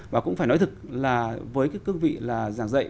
và cũng phải nói thực là với các cư vị là giảng dạy